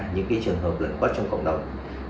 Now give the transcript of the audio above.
những trường hợp lẫn quất trong cộng đồng